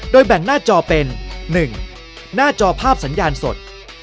แบ่งหน้าจอเป็น๑หน้าจอภาพสัญญาณสด